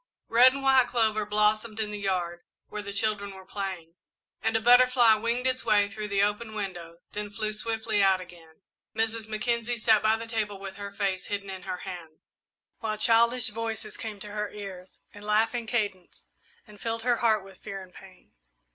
Red and white clover blossomed in the yard, where the children were playing, and a butterfly winged its way through the open window, then flew swiftly out again. Mrs. Mackenzie sat by the table with her face hidden in her hands, while childish voices came to her ears in laughing cadence and filled her heart with fear and pain.